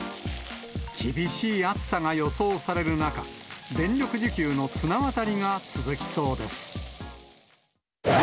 厳しい暑さが予想される中、電力需給の綱渡りが続きそうです。